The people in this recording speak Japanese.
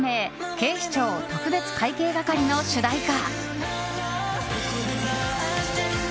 警視庁特別会計係」の主題歌。